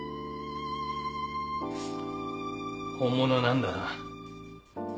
本物なんだな？